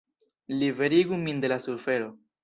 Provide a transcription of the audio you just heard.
Liberigu min de la sufero!